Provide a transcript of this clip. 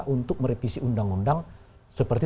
untuk merevisi undang undang seperti